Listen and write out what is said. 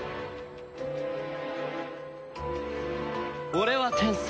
俺は天才。